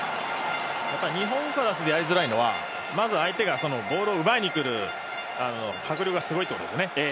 日本からするとやりづらいのは、まず相手がボールを奪いに来るときの迫力がすごいというとこですね。